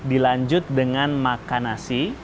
dilanjut dengan makan nasi